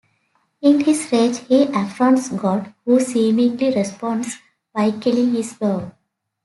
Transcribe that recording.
In his rage he affronts God who seemingly responds by killing his dog.